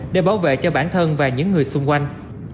để bảo vệ cho bản thân và những người xung quanh